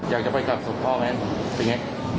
อยากจะไปกลับสุขภาพไหม